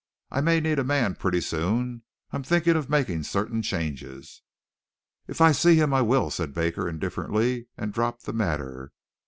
I may need a man pretty soon. I'm thinking of making certain changes." "If I see him I will," said Baker indifferently and dropped the matter.